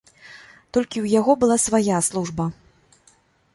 Толькі ў яго была свая служба.